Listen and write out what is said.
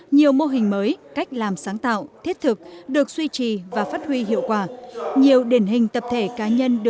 nhiều mô hình mới cách làm sáng tạo thiết thực được suy trì và phát huy hiệu quả